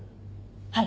はい。